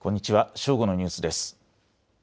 正午のニュースです。